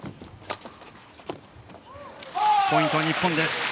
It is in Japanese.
ポイントは日本です。